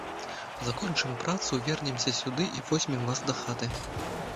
Закончым працу, вернемся сюды і возьмем вас дахаты